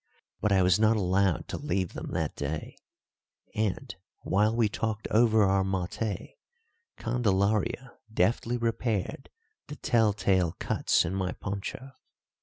But I was not allowed to leave them that day; and, while we talked over our maté, Candelaria deftly repaired the tell tale cuts in my poncho.